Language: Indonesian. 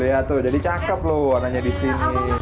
lihat jadi cantik warnanya disini